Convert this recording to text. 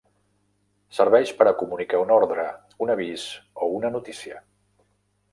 Serveix per a comunicar una ordre, un avís o una notícia.